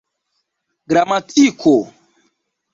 gramatiko